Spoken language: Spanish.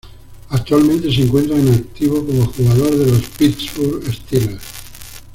Actualmente se encuentra en activo como jugador de los Pittsburgh Steelers.